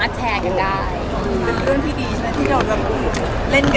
เป็นเรื่องที่ดีใช่มั้ยที่เราเล่นกัน